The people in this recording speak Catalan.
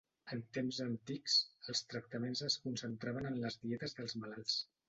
En temps antics, els tractaments es concentraven en les dietes dels malalts.